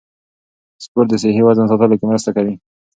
سپورت د صحي وزن ساتلو کې مرسته کوي.